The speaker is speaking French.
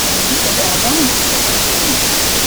Il vit à Berlin jusqu'à son décès.